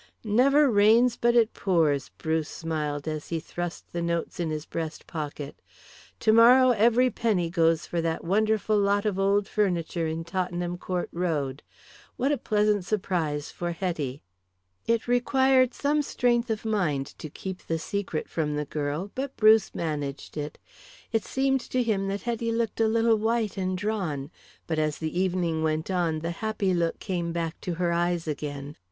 "Never rains but it pours," Bruce smiled as he thrust the notes in his breast pocket. "Tomorrow every penny goes for that wonderful lot of old furniture in Tottenham Court Road. What a pleasant surprise for Hetty!" It required some strength of mind to keep the secret from the girl, but Bruce managed it. It seemed to him that Hetty looked a little white and drawn, but as the evening went on the happy look came back to her eyes again.